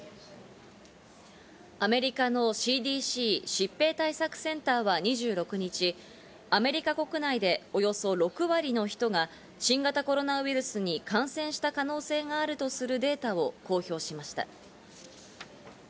アメリカのＣＤＣ＝疾病対策センターは２６日、アメリカ国内でおよそ６割の人が新型コロナウイルスに感染した可能性があるとするデータを公表しました。